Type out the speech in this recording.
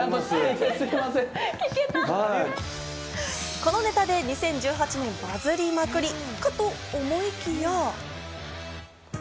このネタで２０１８年、バズりまくりかと思いきや。